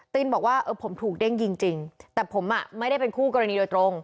ตินบอกว่าเออผมถูกเด้งยิงจริงแต่ผมอ่ะไม่ได้เป็นคู่กรณีโดยตรง